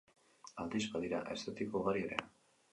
Aldiz, badira eszeptiko ugari ere.